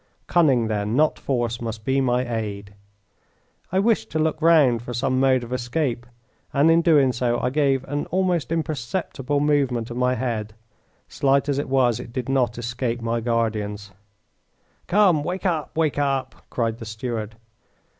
Cunning, then, not force, must be my aid. I wished to look round for some mode of escape, and in doing so I gave an almost imperceptible movement of my head. Slight as it was it did not escape my guardians. "Come, wake up, wake up!" cried the steward.